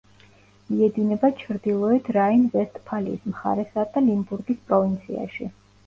მიედინება ჩრდილოეთ რაინ-ვესტფალიის მხარესა და ლიმბურგის პროვინციაში.